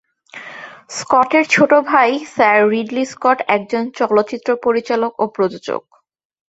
স্কটের ছোট ভাই sir Ridley Scott একজন চলচ্চিত্র পরিচালক ও প্রযোজক।